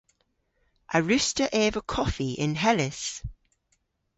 A wruss'ta eva koffi yn Hellys?